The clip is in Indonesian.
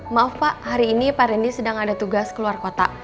maaf pak hari ini pak rendy sedang ada tugas keluar kota